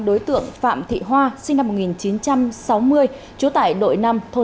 đối tượng phạm thị hoa sinh năm một nghìn chín trăm sáu mươi